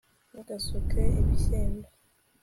ntugasuke ibishyimbo